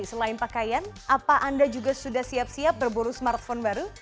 selain pakaian apa anda juga sudah siap siap berburu smartphone baru